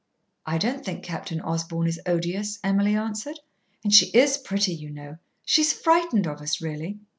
"I don't think Captain Osborn is odious," Emily answered. "And she is pretty, you know. She is frightened of us, really."